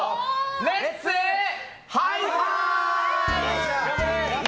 レッツ、ハイハイ！